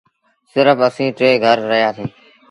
سرڦ اَسيٚݩ ٽي گھر رهيآ سيٚݩ۔